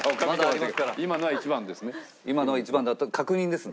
今のは１番ですね。